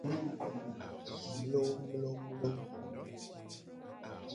Mlomlomlo.